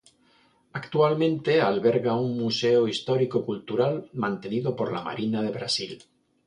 Actualmente alberga un museo histórico-cultural, mantenido por la Marina de Brasil.